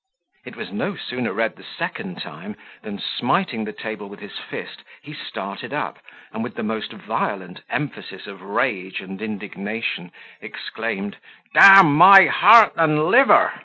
It was no sooner read the second time, than, smiting the table with his fist, he started up, and, with the most violent emphasis of rage and indignation, exclaimed, "D my heart and liver!